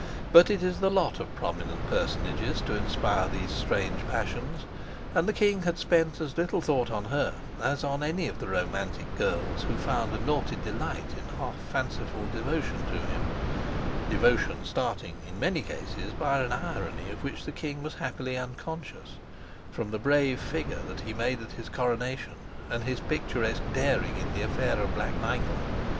But it is the lot of prominent personages to inspire these strange passions, and the king had spent as little thought on her as on any of the romantic girls who found a naughty delight in half fanciful devotion to him devotion starting, in many cases, by an irony of which the king was happily unconscious, from the brave figure that he made at his coronation and his picturesque daring in the affair of Black Michael.